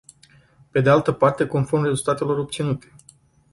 Pe de altă parte, conform rezultatelor obținute.